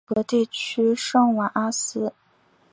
奥格地区圣瓦阿斯。